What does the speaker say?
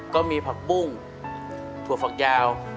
ก็มีผักบุ้งถั่วฝักยาว